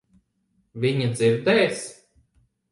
Viņa dzirdēs.